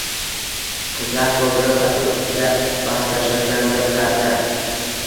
Qizlar ko`p, birontasining ustida bahslashayotgandirlar-da